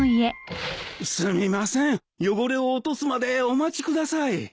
すみません汚れを落とすまでお待ちください。